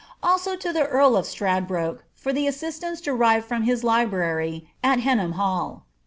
Also to the earl of Stradbroke, for the assistance derived from his library at Henhamhall.